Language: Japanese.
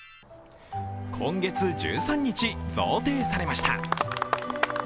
今月１３日、贈呈されました。